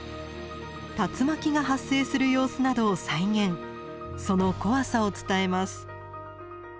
竜巻が発生する様子などを再現その怖さを伝えます。